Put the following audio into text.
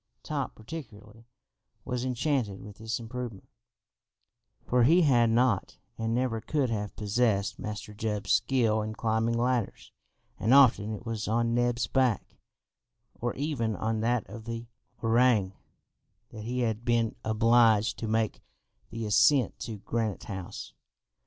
Top particularly was enchanted with this improvement, for he had not, and never could have possessed Master Jup's skill in climbing ladders, and often it was on Neb's back, or even on that of the orang, that he had been obliged to make the ascent to Granite House.